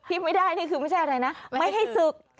ที่ไม่ได้นี่คือไม่ใช่อะไรนะไม่ให้ศึก